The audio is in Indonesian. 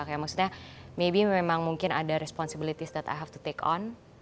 kayak maksudnya maybe memang mungkin ada responsibility state i have to take on